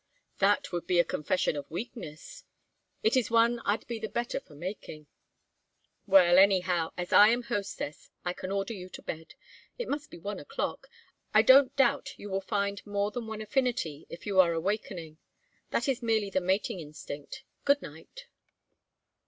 "That would be a confession of weakness." "It is one I'd be the better for making." "Well, anyhow, as I am hostess I can order you to bed. It must be one o'clock. I don't doubt you will find more than one affinity if you are awakening; that is merely the mating instinct. Good night."